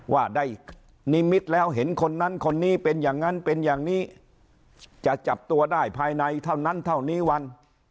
ว่าได้นิมิตแล้วเห็นคนนั้นคนนี้เป็นอย่างนั้นเป็นอย่างนี้จะจับตัวได้ภายในเท่านั้นเท่านี้วัน